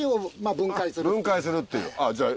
分解するっていうじゃあ。